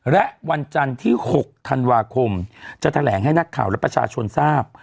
และวันจันทร์ที่๖ธันวาคมจะแถลงให้นักข่าวและประชาชนทราบ